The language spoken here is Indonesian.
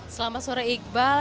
selamat sore iqbal